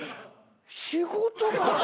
仕事が。